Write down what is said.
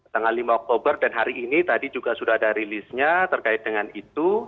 tanggal lima oktober dan hari ini tadi juga sudah ada rilisnya terkait dengan itu